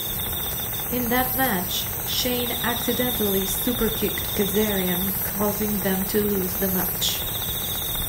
In that match, Shane accidentally superkicked Kazarian, causing them to lose the match.